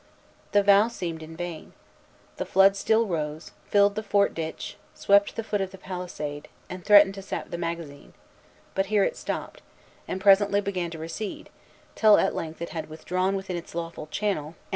The vow seemed in vain. The flood still rose, filled the fort ditch, swept the foot of the palisade, and threatened to sap the magazine; but here it stopped, and presently began to recede, till at length it had withdrawn within its lawful channel, and Villemarie was safe.